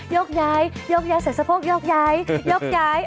ยกย้ายเสียสะโพกยกย้าย